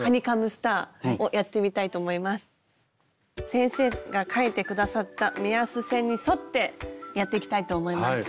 先生が描いてくださった目安線に沿ってやっていきたいと思います。